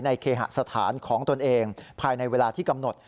เคหสถานของตนเองภายในเวลาที่กำหนด